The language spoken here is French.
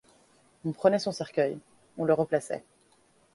On prenait son cercueil, on le replaçait.